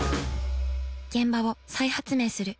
現場を再発明する。